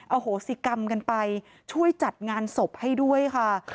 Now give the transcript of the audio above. โหสิกรรมกันไปช่วยจัดงานศพให้ด้วยค่ะ